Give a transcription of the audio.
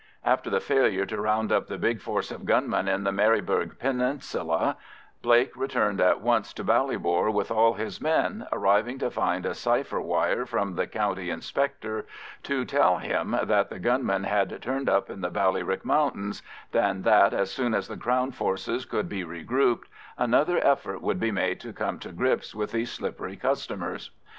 After the failure to round up the big force of gunmen in the Maryburgh Peninsula, Blake returned at once to Ballybor with all his men, arriving to find a cipher wire from the County Inspector to tell him that the gunmen had turned up in the Ballyrick Mountains, and that as soon as the Crown forces could be regrouped another effort would be made to come to grips with these slippery customers.